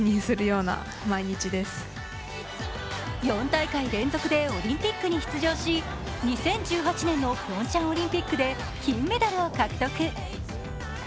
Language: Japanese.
４大会連続でオリンピックに出場し２０１８年のピョンチャンオリンピックで金メダルを獲得。